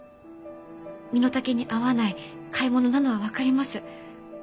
身の丈に合わない買い物なのは分かります。